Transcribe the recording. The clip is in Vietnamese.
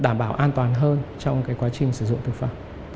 để đảm bảo an toàn hơn trong cái quá trình sử dụng thực phẩm